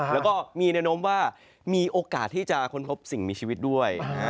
แล้วก็มีแนวโน้มว่ามีโอกาสที่จะค้นพบสิ่งมีชีวิตด้วย